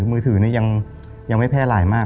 มือถือนี่ยังไม่แพร่หลายมาก